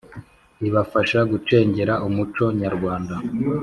ibafasha gucengera umuco nyarwanda,